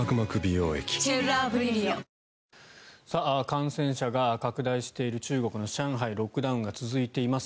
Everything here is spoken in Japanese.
感染者が拡大している中国の上海ロックダウンが続いています。